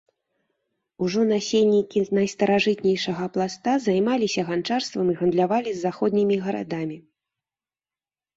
Ужо насельнікі найстаражытнейшага пласта займаліся ганчарствам і гандлявалі з заходнімі гарадамі.